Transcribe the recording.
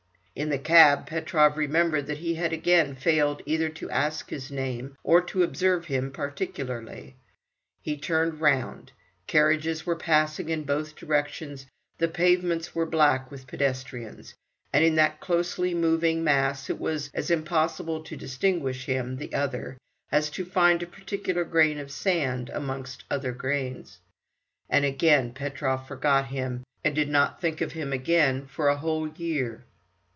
In the cab Petrov remembered that he had again failed either to ask his name, or to observe him particularly. He turned round: carriages were passing in both directions, the pavements were black with pedestrians, and in that closely moving mass it was as impossible to distinguish him, the other, as to find a particular grain of sand amongst other grains. And again Petrov forgot him, and did not think of him again for a whole year.